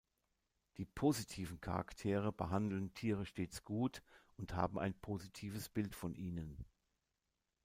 Die positiven Charaktere behandeln Tiere stets gut und haben ein positives Bild von ihnen.